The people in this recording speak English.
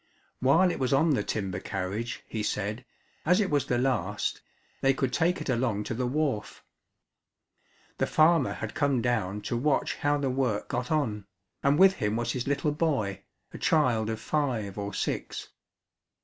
While it was on the timber carriage, he said, as it was the last, they could take it along to the wharf. The farmer had come down to watch how the work got on, and with him was his little boy, a child of five or six.